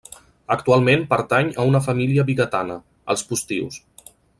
Actualment pertany a una família vigatana, els Postius.